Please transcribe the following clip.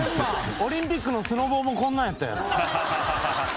「オリンピックのスノボもこんなんやったやん」